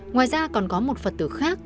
ngoài ra còn có một phật tử khác